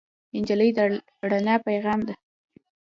نجلۍ د رڼا پېغام ده.